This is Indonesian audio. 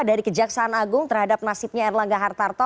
dari kejaksaan agung terhadap nasibnya erlangga hartarto